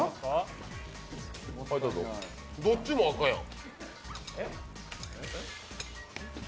どっちも赤やん。